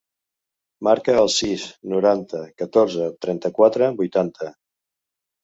Marca el sis, noranta, catorze, trenta-quatre, vuitanta.